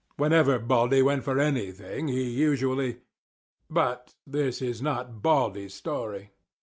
Whenever Baldy went for anything he usually—but this is not Baldy's story.